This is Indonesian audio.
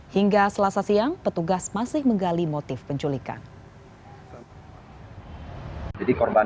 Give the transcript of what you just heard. hingga selasa siang petugas masih menggali motif penculikan